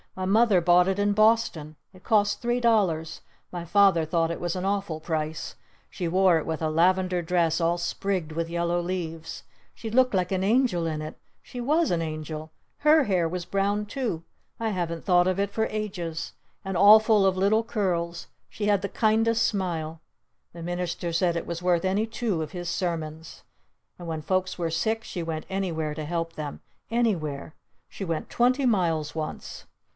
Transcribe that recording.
"My Mother bought it in Boston! It cost three dollars! My Father thought it was an awful price! She wore it with a lavender dress all sprigged with yellow leaves! She looked like an angel in it! She was an angel! Her hair was brown too! I haven't thought of it for ages! And all full of little curls! She had the kindest smile! The minister said it was worth any two of his sermons! And when folks were sick she went anywhere to help them! Anywhere! She went twenty miles once!